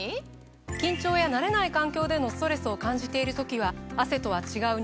緊張や慣れない環境でのストレスを感じている時は汗とは違う